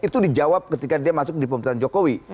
itu dijawab ketika dia masuk di pemerintahan jokowi